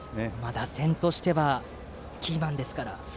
打線としてはキーマンですから。